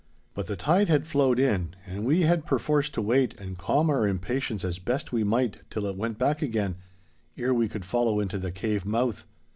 But the tide had flowed in, and we had perforce to wait and calm our impatience as best we might till it went back again, ere we could follow into the cave mouth.